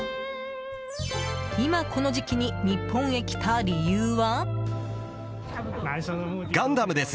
今、この時期に日本へ来た理由は？